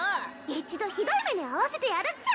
一度ひどい目に遭わせてやるっちゃ！